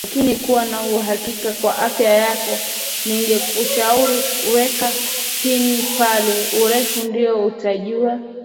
lakini kuwa na uhakika wa afya yako ningekushauri weka pina pale urefu ndio utajua